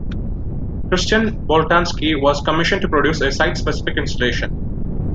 Christian Boltanski was commissioned to produce a site specific installation.